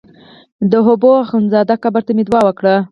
د حبو اخند زاده قبر ته مې دعا وکړه.